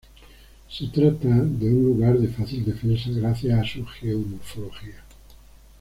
Se trata de un lugar de fácil defensa gracias a su geomorfología.